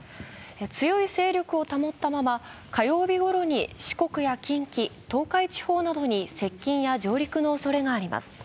強い勢力を保ったまま火曜日ごろに四国や近畿、東海地方などに接近や上陸のおそれがあります。